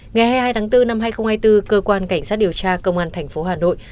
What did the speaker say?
ngày hai mươi hai tháng bốn năm hai nghìn hai mươi bốn cơ quan cảnh sát điều tra công an thành phố hà nội